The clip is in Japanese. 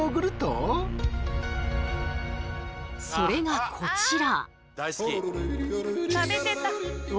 それがこちら。